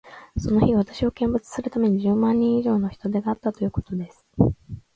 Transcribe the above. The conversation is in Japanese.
その日、私を見物するために、十万人以上の人出があったということです。